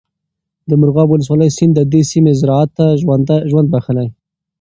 د مرغاب ولسوالۍ سیند د دې سیمې زراعت ته ژوند بخښلی دی.